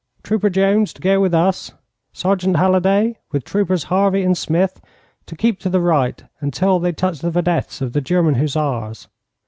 'Trooper Jones to go with us. Sergeant Halliday, with troopers Harvey and Smith, to keep to the right until they touch the vedettes of the German Hussars.'